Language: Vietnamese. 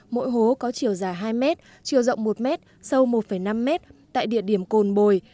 mỗi hố có chiều dài hai m chiều rộng một m sâu một năm mét tại địa điểm cồn bồi